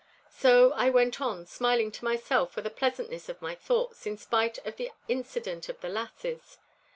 So I went on smiling to myself for the pleasantness of my thoughts, in spite of the incident of the lasses.